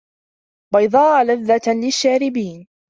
بَيضاءَ لَذَّةٍ لِلشّارِبينَ